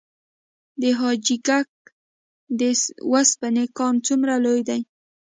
د حاجي ګک د وسپنې کان څومره لوی دی؟